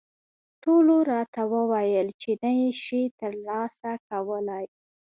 ټولو راته وویل چې نه یې شې ترلاسه کولای.